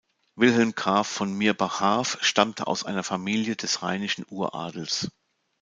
Wilhelm Graf von Mirbach-Harff stammte aus einer Familie des Rheinischen Uradels.